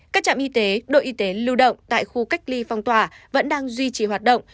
các trạm y tế đội y tế lưu động tại khu cách ly phong tỏa vẫn đang duy trì hoạt động